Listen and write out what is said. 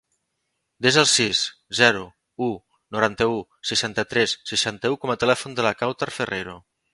Desa el sis, zero, u, noranta-u, seixanta-tres, seixanta-u com a telèfon de la Kawtar Ferreiro.